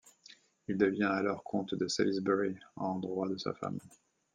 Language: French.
Il devient alors comte de Salisbury en droit de sa femme.